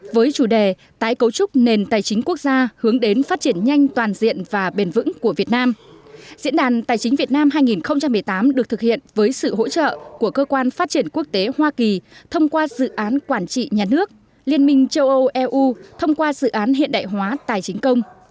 với chủ đề tái cấu trúc nền tài chính quốc gia hướng đến phát triển nhanh toàn diện và bền vững của việt nam diễn đàn tài chính việt nam hai nghìn một mươi tám được thực hiện với sự hỗ trợ của cơ quan phát triển quốc tế hoa kỳ thông qua dự án quản trị nhà nước liên minh châu âu eu thông qua dự án hiện đại hóa tài chính công